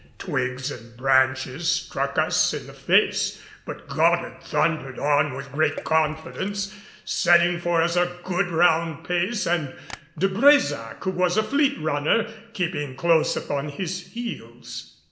Twigs and branches struck us in the face, but Goddard thundered on with great confidence, setting for us a good round pace, and De Brésac, who was a fleet runner, keeping close upon his heels.